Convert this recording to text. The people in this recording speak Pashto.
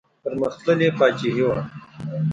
پرمختللې پاچاهي وه.